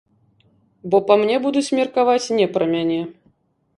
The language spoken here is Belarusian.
Бо па мне будуць меркаваць не пра мяне.